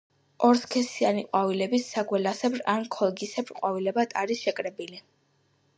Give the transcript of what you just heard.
ორსქესიანი ყვავილები საგველასებრ ან ქოლგისებრ ყვავილედებად არის შეკრებილი.